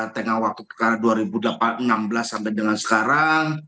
tengah waktu sekarang dua ribu enam belas sampai dengan sekarang